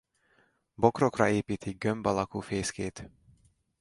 Bokrokra építi gömb alakú fészkét.